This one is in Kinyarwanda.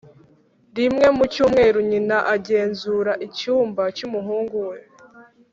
rimwe mu cyumweru, nyina agenzura icyumba cy'umuhungu we.